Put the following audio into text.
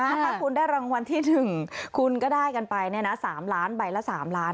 ถ้าคุณได้รางวัลที่๑คุณก็ได้กันไป๓ล้านใบละ๓ล้าน